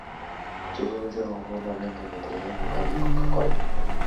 Su primer trabajo fue en una planta embotelladora local de Coca-Cola.